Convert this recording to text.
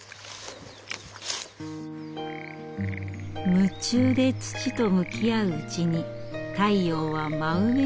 夢中で土と向き合ううちに太陽は真上に。